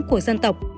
của dân tộc